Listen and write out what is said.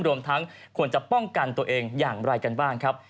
รวมทั้งควรจะป้องกันตัวเองอย่างไรกันบ้างครับ